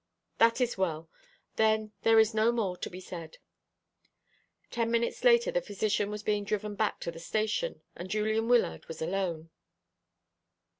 "That is well. Then there is no more to be said." Ten minutes later the physician was being driven back to the station, and Julian Wyllard was alone.